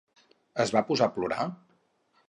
Es va posar a plorar?